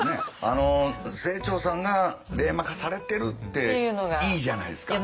あの清張さんが冷マ化されてるっていいじゃないですか。